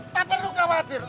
tak perlu khawatir